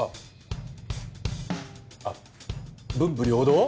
あっ文武両道？